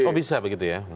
oh bisa begitu ya